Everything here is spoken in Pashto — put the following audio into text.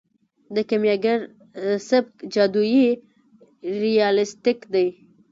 د کیمیاګر سبک جادويي ریالستیک دی.